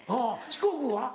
四国は？